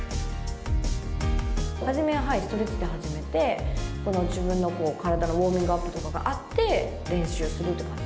初めはストレッチで始めて、自分の体のウォーミングアップとかがあって、練習すると。